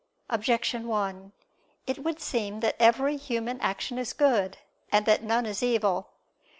Objection 1: It would seem that every human action is good, and that none is evil.